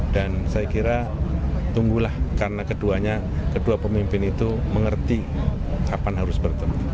dan saya kira tunggulah karena keduanya kedua pemimpin itu mengerti kapan harus bertemu